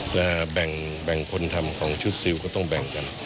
แบ่งคนทำของชุดซิลก็ต้องแบ่งกัน